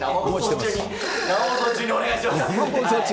生放送中にお願いします。